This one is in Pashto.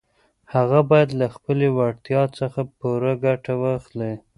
هغه بايد له خپلې وړتيا څخه پوره ګټه واخلي.